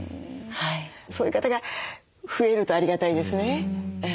そういう方が増えるとありがたいですね。